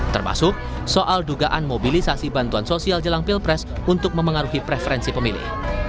termasuk soal dugaan mobilisasi bantuan sosial jelang pilpres untuk memengaruhi preferensi pemilih